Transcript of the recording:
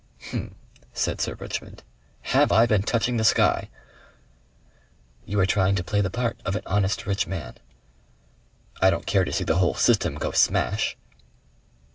"H'm!" said Sir Richmond. "Have I been touching the sky!" "You are trying to play the part of an honest rich man." "I don't care to see the whole system go smash."